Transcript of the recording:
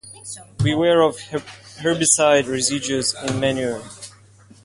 Beware of herbicide residues in manure.